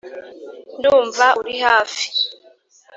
ndumva uri hafi,